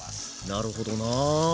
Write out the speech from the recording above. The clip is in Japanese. なるほどな。